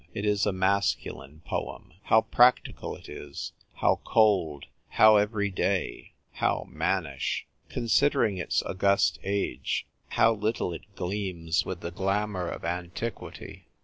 It is a masculine poem. How practical it is, how cold, how everyday, how mannish ! Con sidering its august age, how little it gleams with the glamour of antiquity